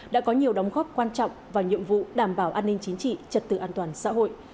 đã có nhiều đóng góp quan trọng vào nhiệm vụ đảm bảo an ninh chính trị trật tự an toàn xã hội